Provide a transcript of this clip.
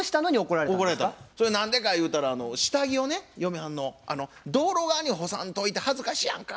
それは何でかゆうたら下着をね嫁はんの「道路側に干さんといて恥ずかしいやんか」